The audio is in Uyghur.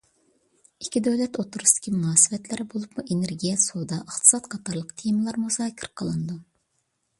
ئىككى دۆلەت ئوتتۇرىسىدىكى مۇناسىۋەتلەر، بولۇپمۇ ئېنېرگىيە، سودا، ئىقتىساد قاتارلىق تېمىلار مۇزاكىرە قىلىنىدۇ.